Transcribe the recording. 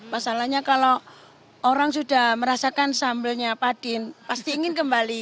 masalahnya kalau orang sudah merasakan sambalnya padin pasti ingin kembali